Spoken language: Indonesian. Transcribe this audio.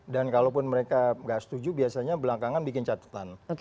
dan kalaupun mereka nggak setuju biasanya belakangan bikin catetan